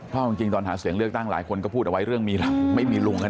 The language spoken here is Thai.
เพราะจริงตอนหาเสียงเลือกตั้งหลายคนก็พูดเอาไว้เรื่องมีหลักไม่มีลุง